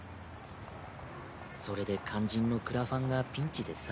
それで肝心のクラファンがピンチでさ。